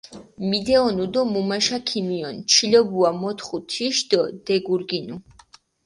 მიდეჸონუ დო მუმაშა ქიმიჸონ, ჩილობუა მოთხუ თიში დო დეგურგინუ.